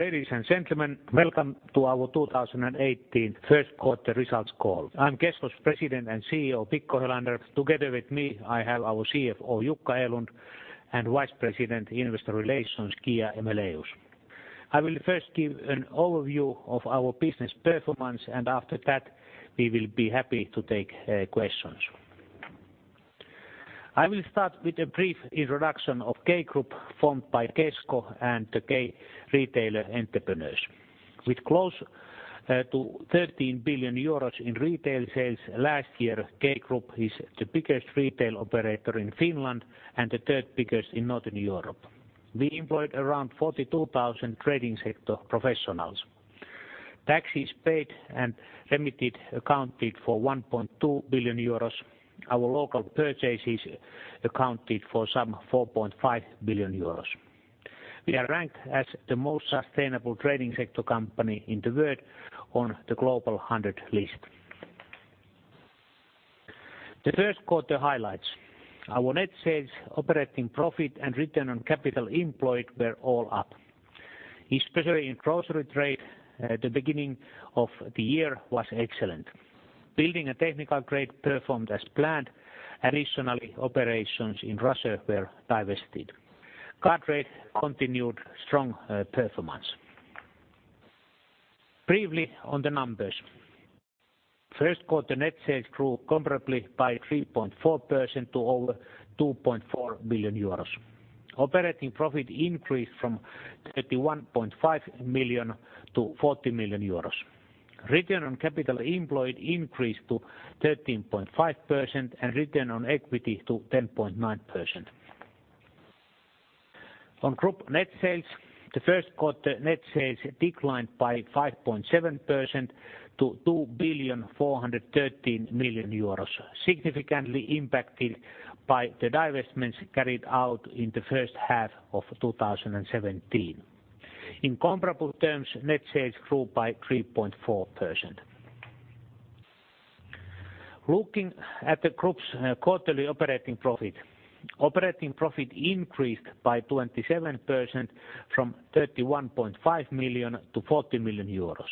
Ladies and gentlemen, welcome to our 2018 first quarter results call. I'm Kesko's President and CEO, Mikko Helander. Together with me, I have our CFO, Jukka Erlund, and Vice President, Investor Relations, Hanna Jaakkola. After that, we will be happy to take questions. I will start with a brief introduction of K Group, formed by Kesko and the K retailer entrepreneurs. With close to 13 billion euros in retail sales last year, K Group is the biggest retail operator in Finland and the third biggest in Northern Europe. We employed around 42,000 trading sector professionals. Taxes paid and remitted accounted for 1.2 billion euros. Our local purchases accounted for some 4.5 billion euros. We are ranked as the most sustainable trading sector company in the world on the Global 100 list. First quarter highlights: Our net sales, operating profit, and return on capital employed were all up. Especially in grocery trade, the beginning of the year was excellent. building and technical trade performed as planned. Additionally, operations in Russia were divested. Car trade continued strong performance. Briefly on the numbers. First quarter net sales grew comparably by 3.4% to over 2.4 billion euros. Operating profit increased from 31.5 million to 40 million euros. Return on capital employed increased to 13.5% and return on equity to 10.9%. On group net sales, the first quarter net sales declined by 5.7% to 2.413 billion, significantly impacted by the divestments carried out in the first half of 2017. In comparable terms, net sales grew by 3.4%. Looking at the group's quarterly operating profit, operating profit increased by 27% from 31.5 million to 40 million euros.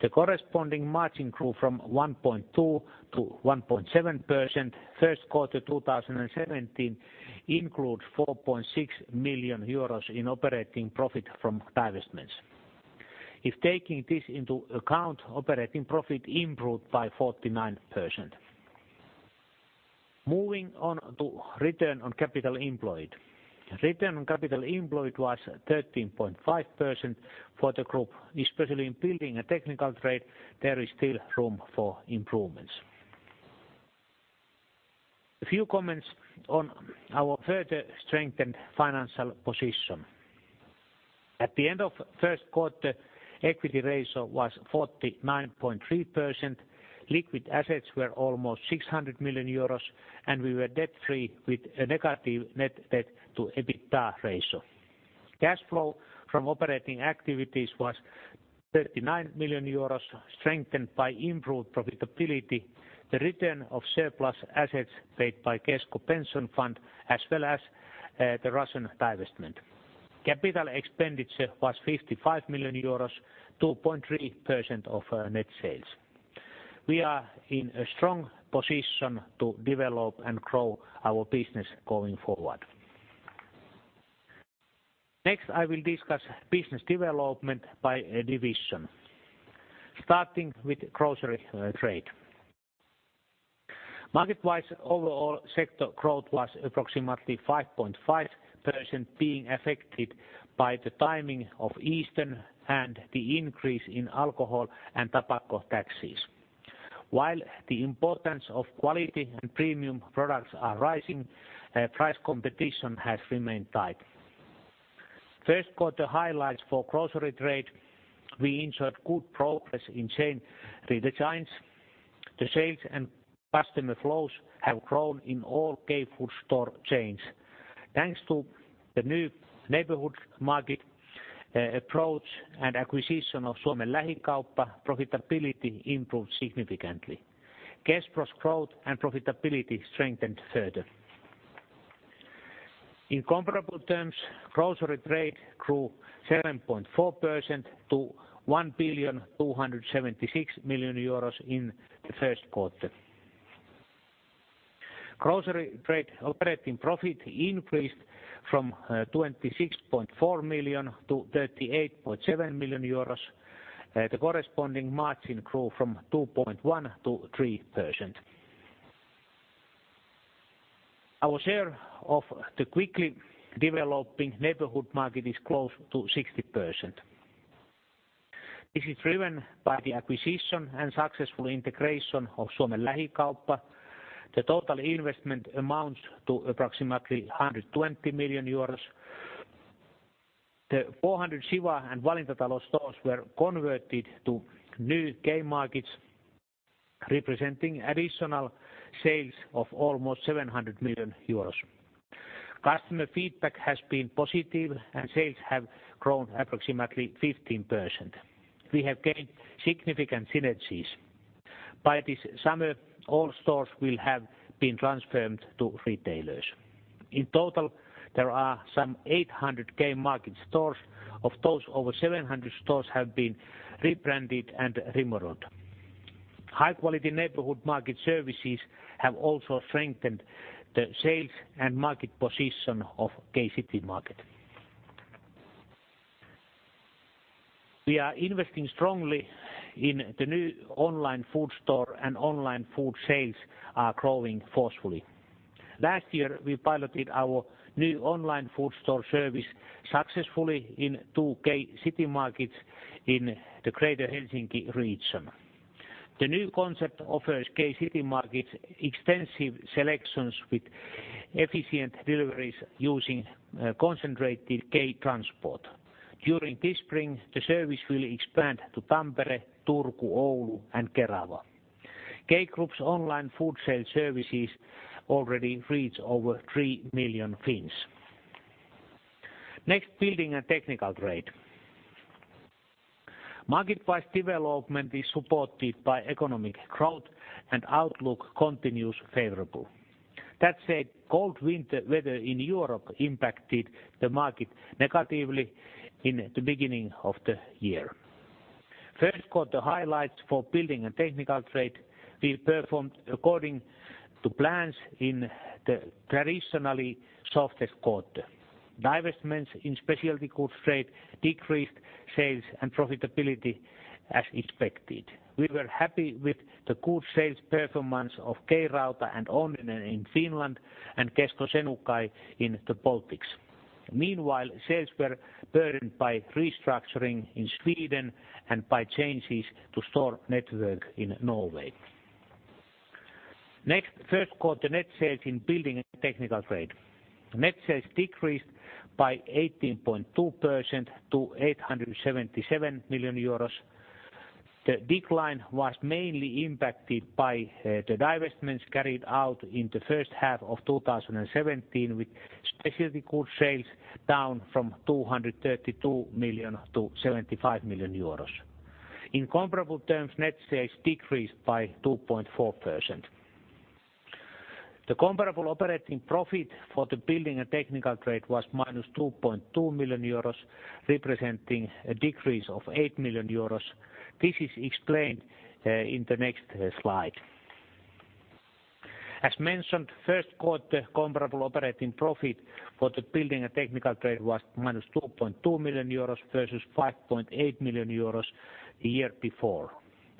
The corresponding margin grew from 1.2% to 1.7%. First quarter 2017 included 4.6 million euros in operating profit from divestments. If taking this into account, operating profit improved by 49%. Moving on to return on capital employed. Return on capital employed was 13.5% for the group, especially in building and technical trade, there is still room for improvements. A few comments on our further strengthened financial position. At the end of first quarter, equity ratio was 49.3%, liquid assets were almost 600 million euros, and we were debt-free with a negative net debt to EBITDA ratio. Cash flow from operating activities was 39 million euros, strengthened by improved profitability, the return of surplus assets paid by Kesko Pension Fund, as well as the Russian divestment. Capital expenditure was 55 million euros, 2.3% of net sales. We are in a strong position to develop and grow our business going forward. Next, I will discuss business development by division. Starting with grocery trade. Market-wise, overall sector growth was approximately 5.5% being affected by the timing of Easter and the increase in alcohol and tobacco taxes. While the importance of quality and premium products are rising, price competition has remained tight. First quarter highlights for grocery trade, we ensured good progress in chain redesigns. The sales and customer flows have grown in all K food store chains. Thanks to the new neighborhood market approach and acquisition of Suomen Lähikauppa, profitability improved significantly. Kespro's growth and profitability strengthened further. In comparable terms, grocery trade grew 7.4% to 1.276 billion in the first quarter. Grocery trade operating profit increased from 26.4 million to 38.7 million euros. The corresponding margin grew from 2.1% to 3%. Our share of the quickly developing neighborhood market is close to 60%. This is driven by the acquisition and successful integration of Suomen Lähikauppa. The total investment amounts to approximately 120 million euros. The 400 Siwa and Valintatalo stores were converted to new K-Markets, representing additional sales of almost 700 million euros. Customer feedback has been positive and sales have grown approximately 15%. We have gained significant synergies. By this summer, all stores will have been transferred to retailers. In total, there are some 800 K-Market stores. Of those, over 700 stores have been rebranded and remodeled. High-quality neighborhood market services have also strengthened the sales and market position of K-Citymarket. We are investing strongly in the new online food store and online food sales are growing forcefully. Last year, we piloted our new online food store service successfully in two K-Citymarkets in the greater Helsinki region. The new concept offers K-Citymarkets extensive selections with efficient deliveries using concentrated K-Logistiikka. During this spring, the service will expand to Tampere, Turku, Oulu, and Kerava. K Group's online food sale services already reach over 3 million Finns. Next, building and technical trade. Market price development is supported by economic growth and outlook continues favorable. That said, cold winter weather in Europe impacted the market negatively in the beginning of the year. First quarter highlights for building and technical trade: we performed according to plans in the traditionally softest quarter. Divestments in specialty goods trade decreased sales and profitability as expected. We were happy with the good sales performance of K-Rauta and Onninen in Finland and Kesko Senukai in the Baltics. Meanwhile, sales were burdened by restructuring in Sweden and by changes to store network in Norway. Next, first quarter net sales in building and technical trade. Net sales decreased by 18.2% to 877 million euros. The decline was mainly impacted by the divestments carried out in the first half of 2017, with specialty goods sales down from 232 million to 75 million euros. In comparable terms, net sales decreased by 2.4%. The comparable operating profit for the building and technical trade was minus 2.2 million euros, representing a decrease of 8 million euros. This is explained in the next slide. As mentioned, first quarter comparable operating profit for the building and technical trade was minus 2.2 million euros versus 5.8 million euros the year before.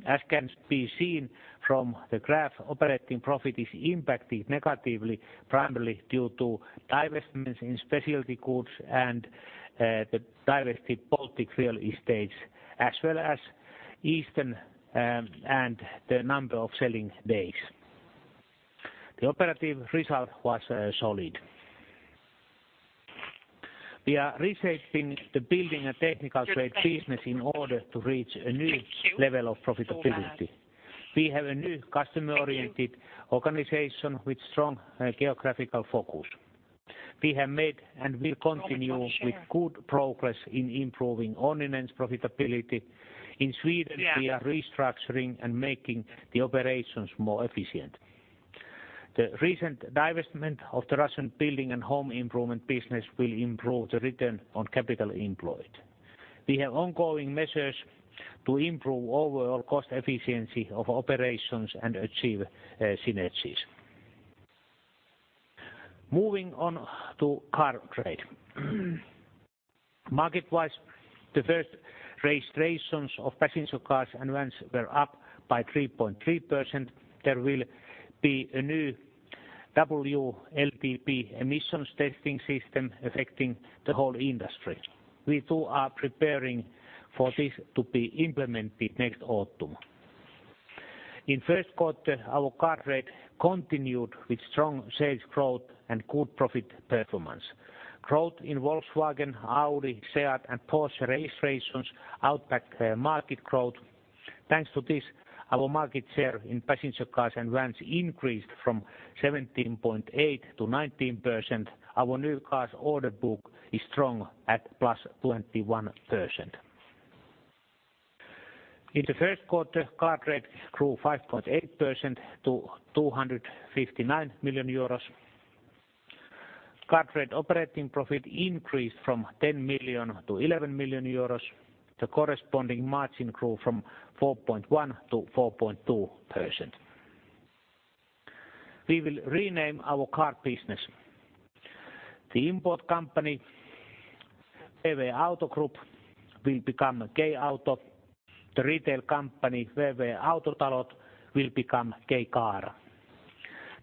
As can be seen from the graph, operating profit is impacted negatively, primarily due to divestments in specialty goods and the divested Baltic real estate, as well as Easter, and the number of selling days. The operative result was solid. We are reshaping the building and technical trade business in order to reach a new level of profitability. We have a new customer-oriented organization with strong geographical focus. We have made and will continue with good progress in improving Onninen's profitability. In Sweden, we are restructuring and making the operations more efficient. The recent divestment of the Russian building and home improvement business will improve the return on capital employed. We have ongoing measures to improve overall cost efficiency of operations and achieve synergies. Moving on to car trade. Market-wise, the first registrations of passenger cars and vans were up by 3.3%. There will be a new WLTP emissions testing system affecting the whole industry. We too are preparing for this to be implemented next autumn. In first quarter, our car trade continued with strong sales growth and good profit performance. Growth in Volkswagen, Audi, SEAT, and Porsche registrations outpaced market growth. Thanks to this, our market share in passenger cars and vans increased from 17.8%-19%. Our new cars order book is strong at +21%. In the first quarter, car trade grew 5.8% to 259 million euros. Car trade operating profit increased from 10 million to 11 million euros. The corresponding margin grew from 4.1%-4.2%. We will rename our car business. The import company, VV-Auto Group, will become K-Auto. The retail company, VV-Autotalot, will become K-Caara.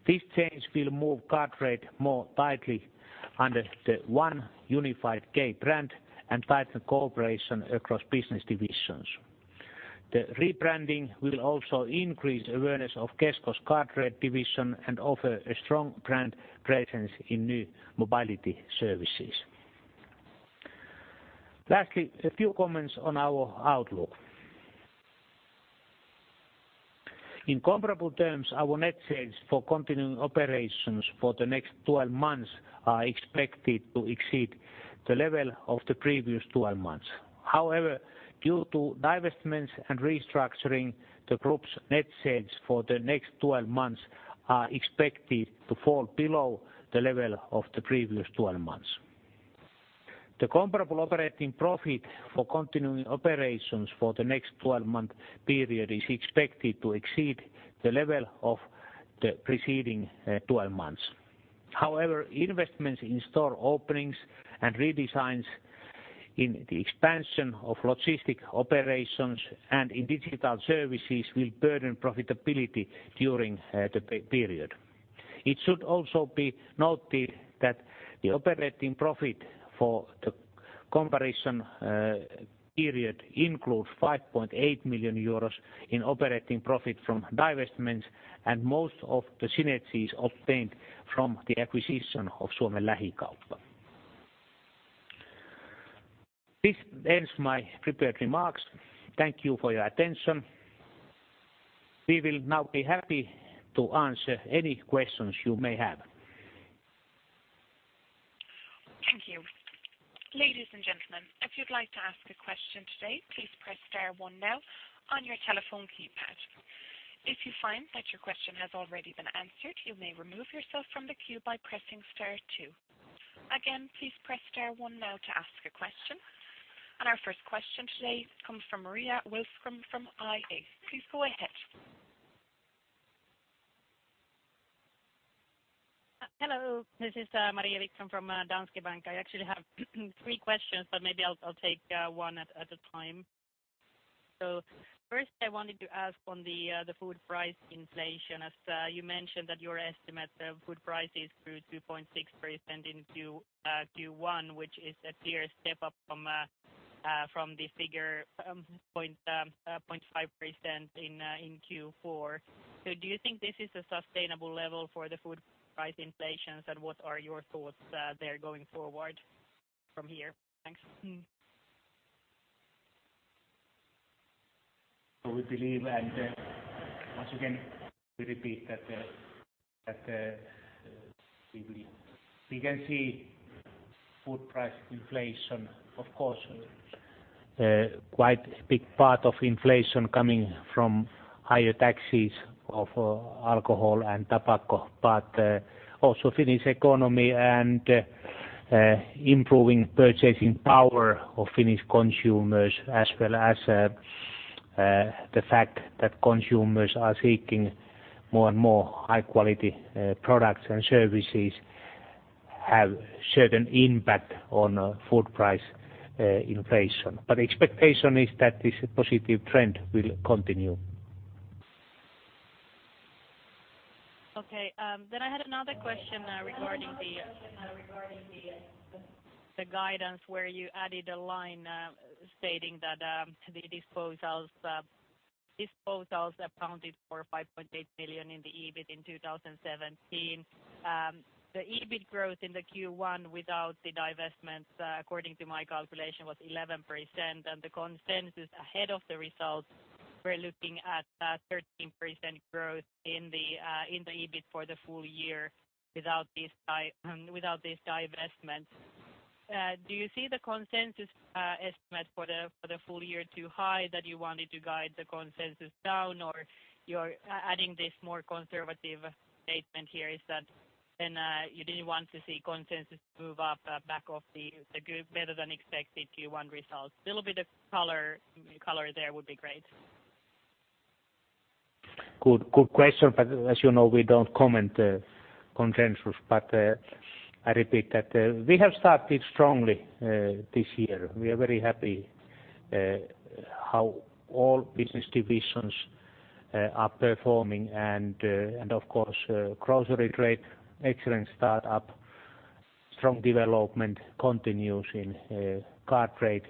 This change will move car trade more tightly under the one unified K brand and tighten cooperation across business divisions. The rebranding will also increase awareness of Kesko's car trade division and offer a strong brand presence in new mobility services. Lastly, a few comments on our outlook. In comparable terms, our net sales for continuing operations for the next 12 months are expected to exceed the level of the previous 12 months. Due to divestments and restructuring, the group's net sales for the next 12 months are expected to fall below the level of the previous 12 months. The comparable operating profit for continuing operations for the next 12-month period is expected to exceed the level of the preceding 12 months. Investments in store openings and redesigns in the expansion of logistic operations and in digital services will burden profitability during the period. It should also be noted that the operating profit for the comparison period includes 5.8 million euros in operating profit from divestments and most of the synergies obtained from the acquisition of Suomen Lähikauppa. This ends my prepared remarks. Thank you for your attention. We will now be happy to answer any questions you may have. Thank you. Ladies and gentlemen, if you'd like to ask a question today, please press star one now on your telephone keypad. If you find that your question has already been answered, you may remove yourself from the queue by pressing star two. Again, please press star one now to ask a question. And our first question today comes from Maria Wikström from IH. Please go ahead. Hello, this is Maria Wikström from Danske Bank. I actually have three questions, but maybe I'll take one at a time. First, I wanted to ask on the food price inflation, as you mentioned that your estimate of food prices grew 2.6% in Q1, which is a clear step up from the figure 0.5% in Q4. Do you think this is a sustainable level for the food price inflation, and what are your thoughts there going forward from here? Thanks. We believe, once again, we repeat that we can see food price inflation, of course, quite a big part of inflation coming from higher taxes of alcohol and tobacco, also Finnish economy and improving purchasing power of Finnish consumers as well as the fact that consumers are seeking more and more high-quality products and services have certain impact on food price inflation. Expectation is that this positive trend will continue. Okay. I had another question regarding the guidance where you added a line stating that the disposals accounted for 5.8 million in the EBIT in 2017. The EBIT growth in the Q1 without the divestments, according to my calculation, was 11%, and the consensus ahead of the results, we're looking at 13% growth in the EBIT for the full year without these divestments. Do you see the consensus estimate for the full year too high that you wanted to guide the consensus down, you're adding this more conservative statement here is that then you didn't want to see consensus move up back off the better-than-expected Q1 results. Little bit of color there would be great. Good question, as you know, we don't comment the consensus. I repeat that we have started strongly this year. We are very happy how all business divisions are performing of course, grocery Trade, excellent start-up, strong development continues in Car Trade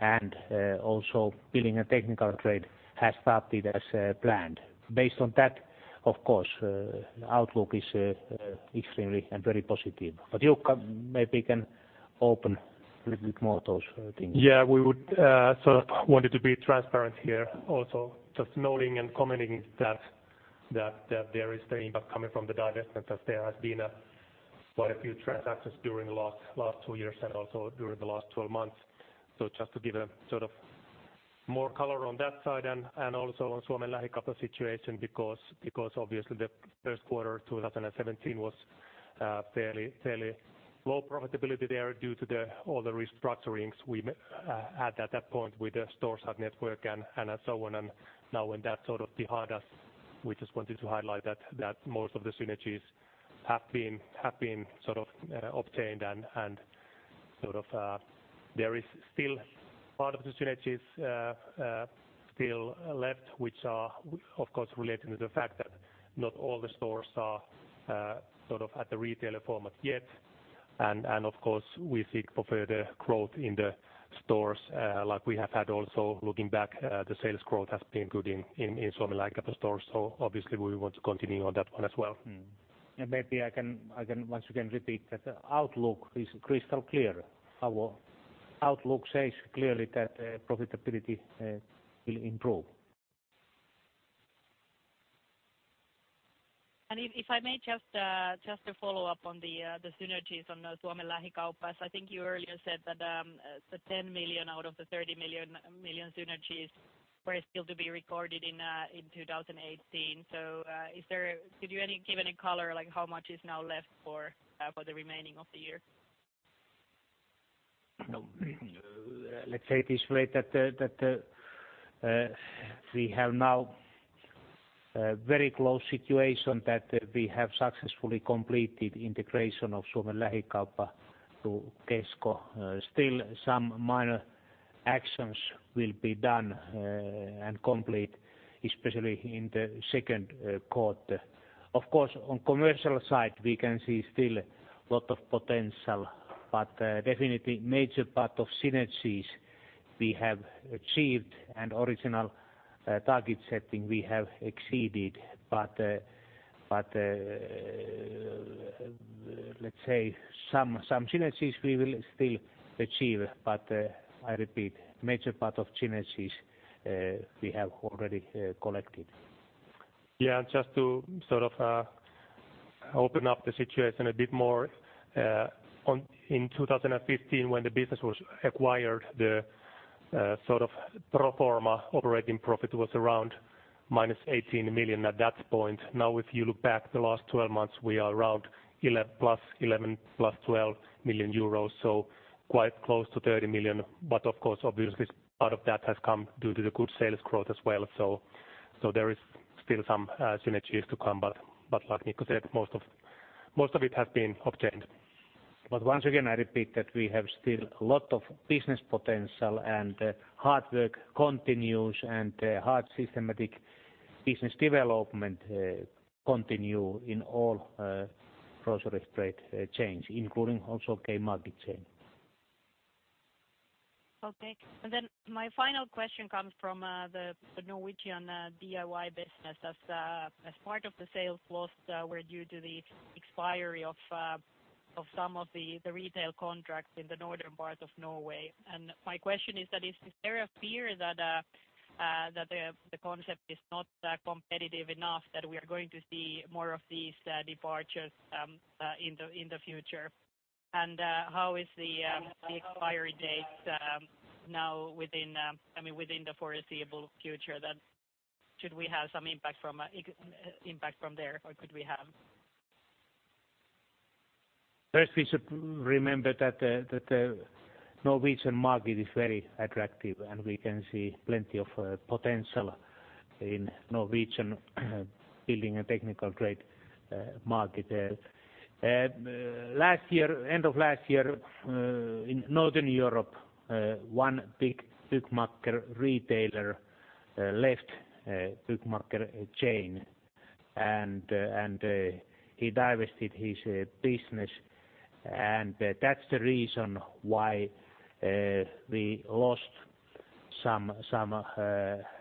and also Building and Technical Trade has started as planned. Based on that, of course, outlook is extremely and very positive. Jukka maybe can open a little bit more those things. Yeah, we would sort of wanted to be transparent here also just noting and commenting that there is the impact coming from the divestment, that there has been quite a few transactions during the last two years and also during the last 12 months. Just to give a sort of more color on that side and also on Suomen Lähikauppa situation because obviously the first quarter 2017 was fairly low profitability there due to all the restructurings we had at that point with the stores hub network and so on. Now when that's sort of behind us, we just wanted to highlight that most of the synergies have been sort of obtained and sort of there is still part of the synergies still left, which are, of course, relating to the fact that not all the stores are sort of at the retailer format yet. Of course, we seek for further growth in the stores like we have had also looking back, the sales growth has been good in Suomen Lähikauppa stores. Obviously we want to continue on that one as well. Maybe I can once again repeat that the outlook is crystal clear. Our outlook says clearly that profitability will improve. If I may just to follow up on the synergies on Suomen Lähikauppa. I think you earlier said that the 10 million out of the 30 million synergies were still to be recorded in 2018. Could you give any color like how much is now left for the remaining of the year? Let's say it this way that we have now a very close situation that we have successfully completed integration of Suomen Lähikauppa to Kesko. Still some minor actions will be done and complete, especially in the second quarter. On commercial side, we can see still lot of potential, but definitely major part of synergies we have achieved and original target setting we have exceeded. Let's say some synergies we will still achieve, but I repeat major part of synergies we have already collected. Just to sort of open up the situation a bit more. In 2015 when the business was acquired, the sort of pro forma operating profit was around minus 18 million at that point. Now if you look back the last 12 months, we are around plus 11 million, plus 12 million euros, quite close to 30 million. Of course, obviously part of that has come due to the good sales growth as well. There is still some synergies to come, but like Mikko said, most of it has been obtained. Once again, I repeat that we have still lot of business potential and hard work continues and hard systematic business development continue in all grocery trade chain, including also K-Market chain. My final question comes from the Norwegian DIY business as part of the sales lost were due to the expiry of some of the retail contracts in the northern part of Norway. My question is that, is there a fear that the concept is not competitive enough that we are going to see more of these departures in the future? How is the expiry date now within the foreseeable future that should we have some impact from there or could we have? First, we should remember that the Norwegian market is very attractive, and we can see plenty of potential in Norwegian building and technical trade market. End of last year in Northern Europe one big Byggmakker retailer left Byggmakker chain and he divested his business, and that's the reason why we lost some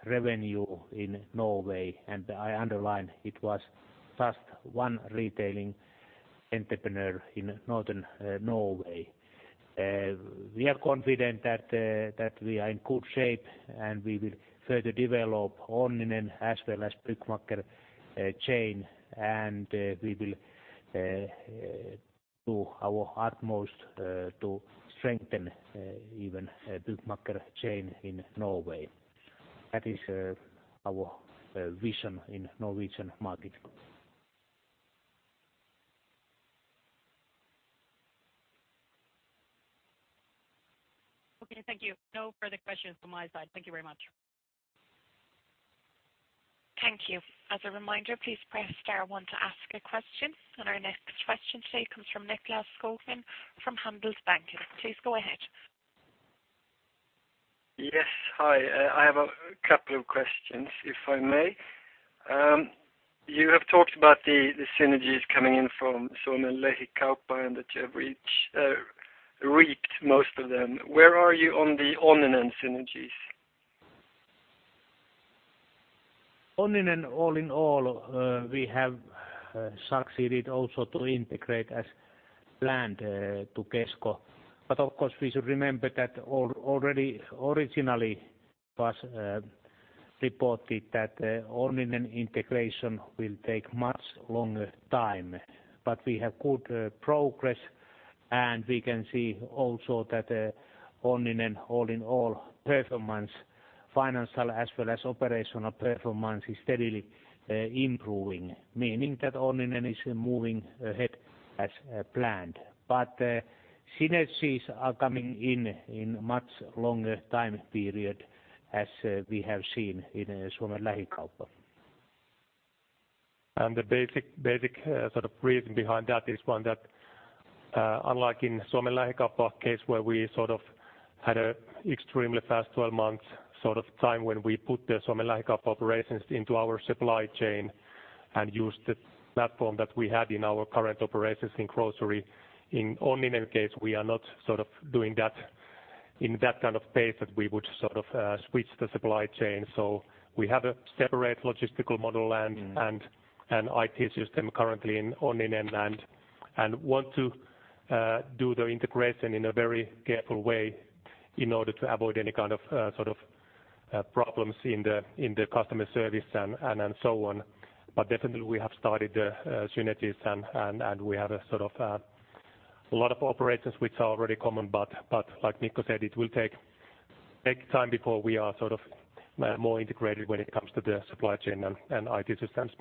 revenue in Norway, and I underline it was just one retailing entrepreneur in Northern Norway. We are confident that we are in good shape, and we will further develop Onninen as well as Byggmakker chain, and we will do our utmost to strengthen even Byggmakker chain in Norway. That is our vision in Norwegian market. Okay, thank you. No further questions from my side. Thank you very much. Thank you. As a reminder, please press star one to ask a question. Our next question today comes from Niclas Skogsvik from Handelsbanken. Please go ahead. Yes. Hi, I have a couple of questions, if I may. You have talked about the synergies coming in from Suomen Lähikauppa and that you have reaped most of them. Where are you on the Onninen synergies? Onninen all in all we have succeeded also to integrate as planned to Kesko. Of course, we should remember that already originally it was reported that Onninen integration will take much longer time. We have good progress, and we can see also that Onninen all in all performance financial as well as operational performance is steadily improving, meaning that Onninen is moving ahead as planned. Synergies are coming in much longer time period as we have seen in Suomen Lähikauppa. The basic sort of reason behind that is one that unlike in Suomen Lähikauppa case where we sort of had a extremely fast 12 months sort of time when we put the Suomen Lähikauppa operations into our supply chain and used the platform that we had in our current operations in grocery. Onninen case we are not sort of doing that in that kind of pace that we would sort of switch the supply chain. We have a separate logistical model and an IT system currently in Onninen and want to do the integration in a very careful way in order to avoid any kind of sort of problems in the customer service and so on. Definitely we have started the synergies and we have a lot of operations which are already common but like Mikko said, it will take time before we are more integrated when it comes to the supply chain and IT systems.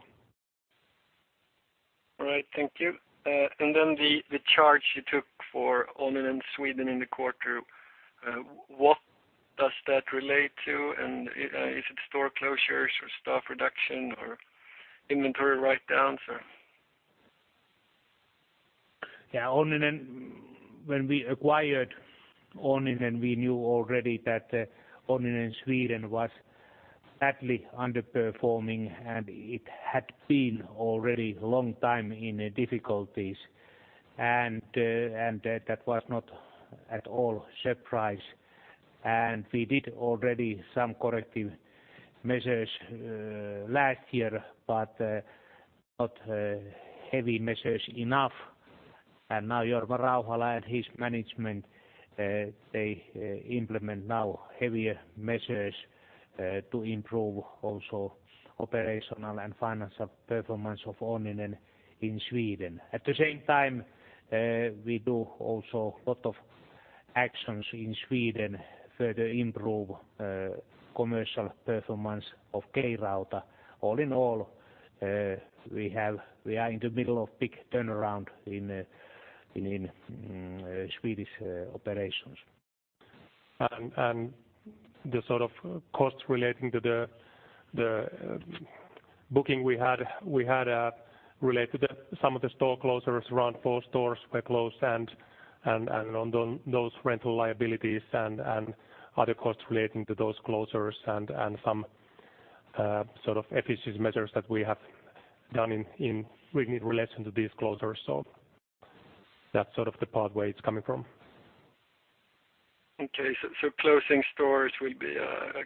All right, thank you. Then the charge you took for Onninen Sweden in the quarter, what does that relate to? Is it store closures or staff reduction or inventory write-downs or? Yeah. When we acquired Onninen we knew already that Onninen Sweden was badly underperforming, and it had been already long time in difficulties. That was not at all surprise. We did already some corrective measures last year, but not heavy measures enough. Now Jorma Rauhala and his management they implement now heavier measures to improve also operational and financial performance of Onninen in Sweden. At the same time we do also lot of actions in Sweden to further improve commercial performance of K-Rauta. All in all we are in the middle of big turnaround in Swedish operations. The sort of costs relating to the booking we had relate to some of the store closures around four stores were closed and on those rental liabilities and other costs relating to those closures and some sort of efficiency measures that we have done in relation to these closures. That's sort of the part where it's coming from. Closing stores will be a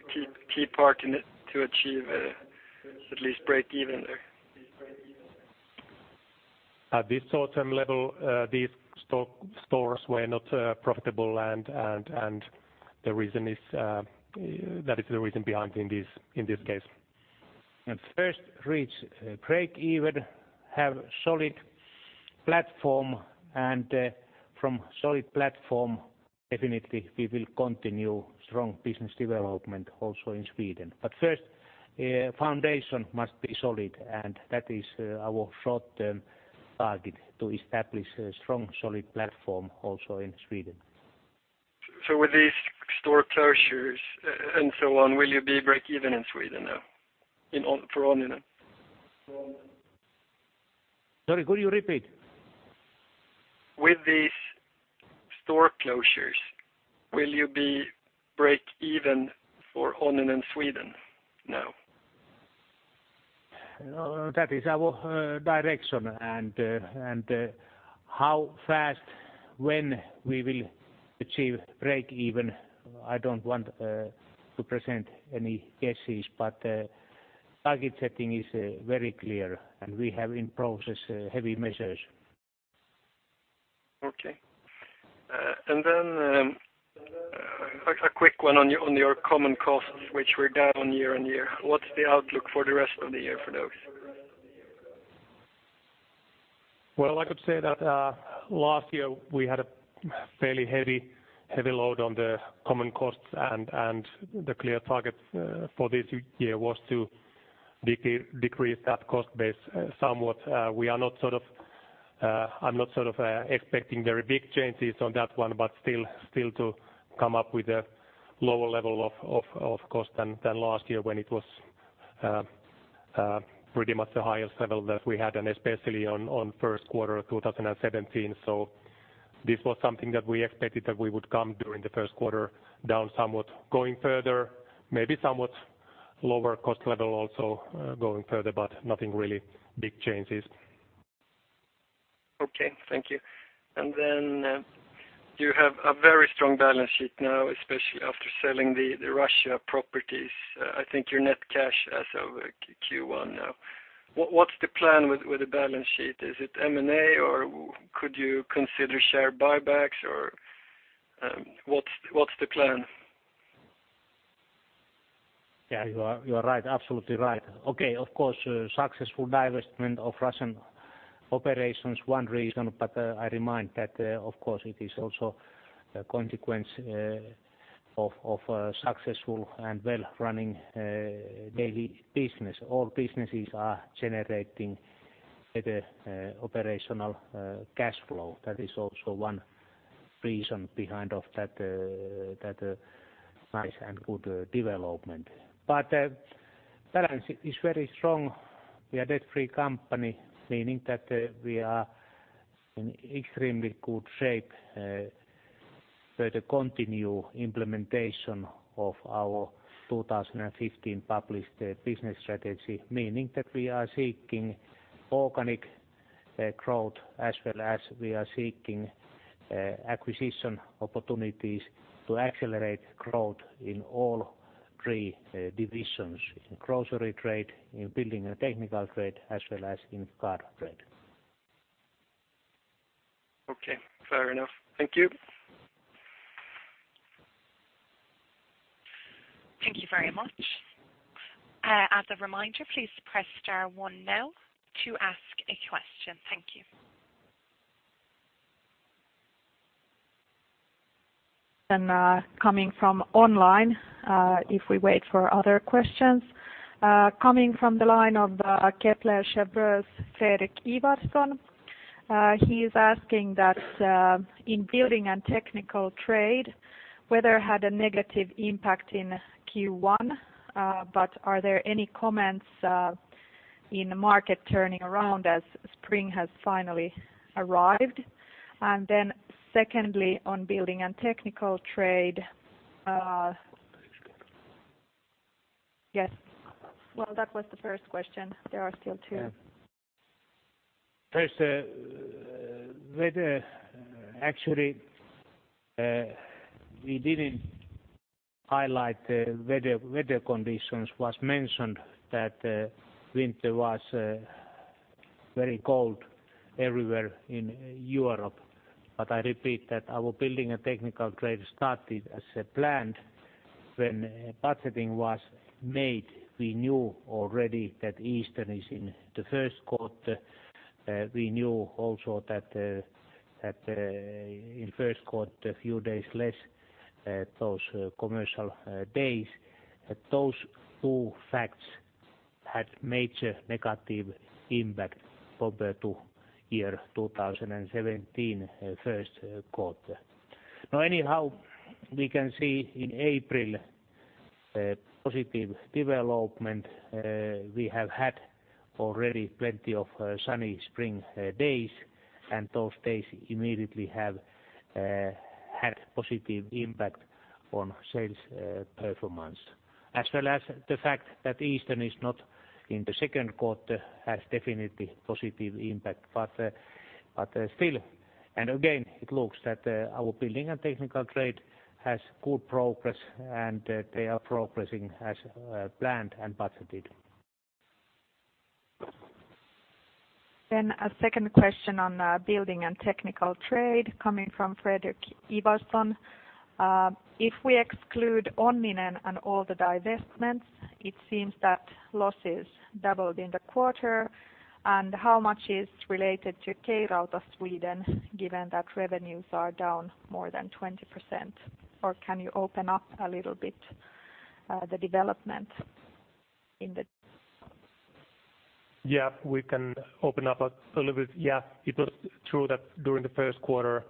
key part in it to achieve at least break even there. At this short-term level these stores were not profitable and that is the reason behind in this case. First reach break even, have solid platform, and from solid platform definitely we will continue strong business development also in Sweden. First foundation must be solid and that is our short-term target to establish a strong solid platform also in Sweden. With these store closures and so on, will you be break-even in Sweden now for Onninen? Sorry. Could you repeat? With these store closures, will you be break-even for Onninen Sweden now? That is our direction and how fast, when we will achieve break-even, I don't want to present any guesses. Target setting is very clear. We have in process heavy measures. Okay. A quick one on your common costs, which were down year-on-year. What's the outlook for the rest of the year for those? Well, I could say that last year we had a fairly heavy load on the common costs, the clear target for this year was to decrease that cost base somewhat. I'm not sort of expecting very big changes on that one, but still to come up with a lower level of cost than last year when it was pretty much the highest level that we had and especially on first quarter 2017. This was something that we expected that we would come during the first quarter down somewhat. Going further, maybe somewhat lower cost level also going further, but nothing really big changes. Okay. Thank you. You have a very strong balance sheet now, especially after selling the Russia properties. I think your net cash as of Q1 now. What's the plan with the balance sheet? Is it M&A or could you consider share buybacks or what's the plan? Yeah, you are right. Absolutely right. Okay. Of course, successful divestment of Russian operations one reason. I remind that of course it is also a consequence of successful and well running daily business. All businesses are generating better operational cash flow. That is also one reason behind of that nice and good development. Balance sheet is very strong. We are debt-free company, meaning that we are in extremely good shape to further continue implementation of our 2015 published business strategy. Meaning that we are seeking organic growth as well as we are seeking acquisition opportunities to accelerate growth in all three divisions in grocery trade, in building and technical trade as well as in car trade. Okay, fair enough. Thank you. Thank you very much. As a reminder, please press star one now to ask a question. Thank you. Coming from online, if we wait for other questions. Coming from the line of Kepler Cheuvreux, Fredrik Ivarsson. He is asking that in building and technical trade, weather had a negative impact in Q1, but are there any comments in market turning around as spring has finally arrived? Secondly, on building and technical trade, yes. Well, that was the first question. There are still two. First, weather, actually we didn't highlight the weather conditions was mentioned that winter was very cold everywhere in Europe. I repeat that our building and technical trade started as planned. When budgeting was made, we knew already that Easter is in the first quarter. We knew also that in first quarter, few days less those commercial days. Those two facts had major negative impact compared to year 2017, first quarter. Anyhow, we can see in April a positive development. We have had already plenty of sunny spring days, and those days immediately have had positive impact on sales performance. As well as the fact that Easter is not in the second quarter has definitely positive impact. Still, and again, it looks that our building and technical trade has good progress, and they are progressing as planned and budgeted. A second question on building and technical trade coming from Fredrik Ivarsson. If we exclude Onninen and all the divestments, it seems that losses doubled in the quarter. How much is related to K-Rauta Sweden, given that revenues are down more than 20%? Can you open up a little bit the development in the. Yeah. We can open up a little bit. Yeah. It was true that during the first quarter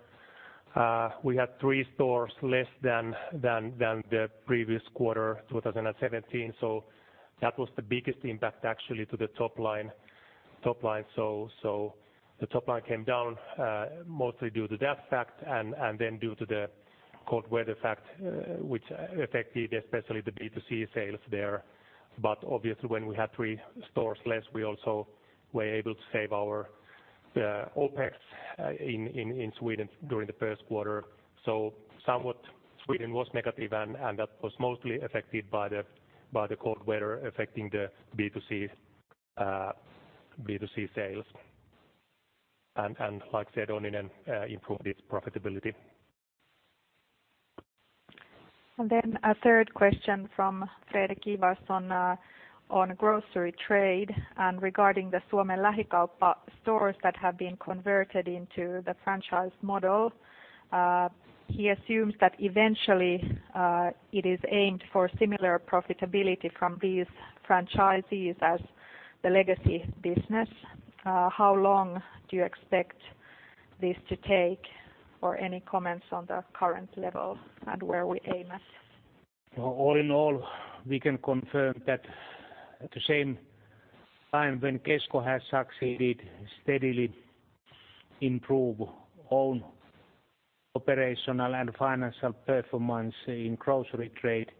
we had three stores less than the previous quarter 2017. That was the biggest impact actually to the top line. The top line came down mostly due to that fact and then due to the cold weather fact, which affected especially the B2C sales there. Obviously, when we had three stores less, we also were able to save our OpEx in Sweden during the first quarter. Somewhat Sweden was negative, and that was mostly affected by the cold weather affecting the B2C sales. Like said, Onninen improved its profitability. A third question from Fredrik Ivarsson on grocery trade and regarding the Suomen Lähikauppa stores that have been converted into the franchise model. He assumes that eventually it is aimed for similar profitability from these franchisees as the legacy business. How long do you expect this to take? Any comments on the current level and where we aim at? All in all, we can confirm that at the same time when Kesko has succeeded steadily improve own operational and financial performance in grocery trade,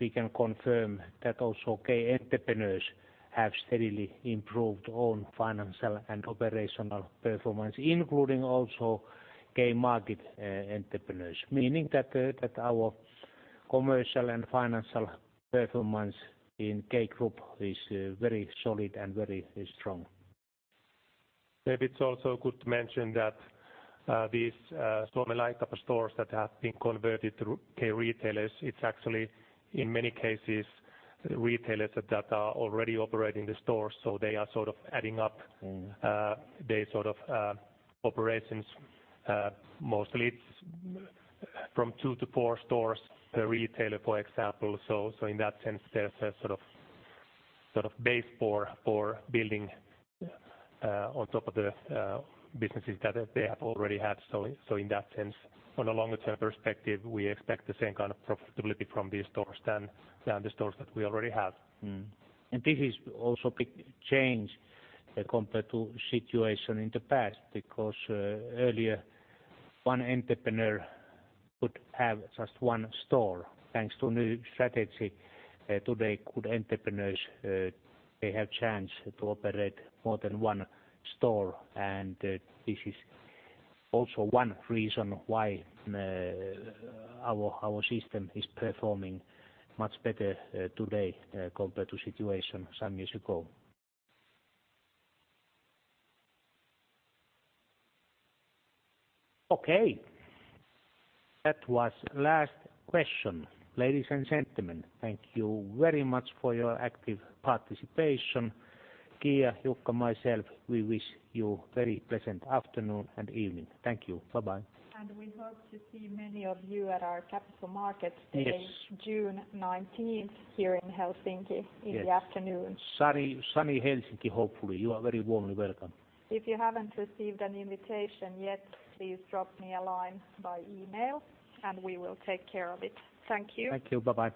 we can confirm that also K-Market entrepreneurs have steadily improved own financial and operational performance, including also K-Market entrepreneurs, meaning that our commercial and financial performance in K Group is very solid and very strong. Maybe it is also good to mention that these Suomen Lähikauppa stores that have been converted through K-retailers, it is actually in many cases, retailers that are already operating the stores. They are sort of adding up their sort of operations mostly from two to four stores per retailer, for example. In that sense, there is a sort of base for building on top of the businesses that they have already had. In that sense, on a longer-term perspective, we expect the same kind of profitability from these stores than the stores that we already have. This is also big change compared to situation in the past, because earlier one entrepreneur could have just one store. Thanks to new strategy today, good entrepreneurs they have chance to operate more than one store. This is also one reason why our system is performing much better today compared to situation some years ago. Okay, that was last question. Ladies and gentlemen, thank you very much for your active participation. Hanna, Jukka, myself, we wish you very pleasant afternoon and evening. Thank you. Bye-bye. We hope to see many of you at our capital market day. Yes June 19th here in Helsinki in the afternoon. Sunny Helsinki, hopefully. You are very warmly welcome. If you haven't received an invitation yet, please drop me a line by email and we will take care of it. Thank you. Thank you. Bye-bye.